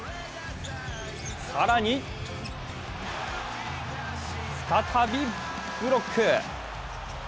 更に再びブロック。